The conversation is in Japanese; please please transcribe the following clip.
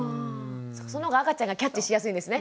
そのほうが赤ちゃんがキャッチしやすいんですね。